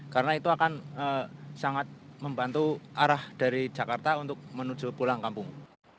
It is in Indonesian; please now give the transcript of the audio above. karena itu akan sangat membantu arah dari jakarta untuk menuju pulang kampung